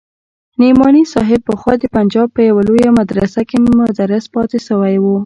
نعماني صاحب پخوا د پنجاب په يوه لويه مدرسه کښې مدرس پاته سوى و.